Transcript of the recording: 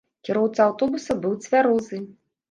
Кіроўца аўтобуса быў цвярозы.